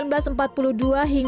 gua jepang di fungsi jepang